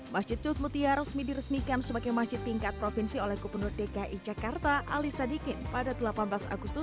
masjid jut mutia resmi diresmikan sebagai masjid tingkat provinsi oleh gubernur dki jakarta alisa dikir